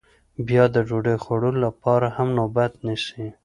بیا د ډوډۍ خوړلو لپاره هم نوبت نیسي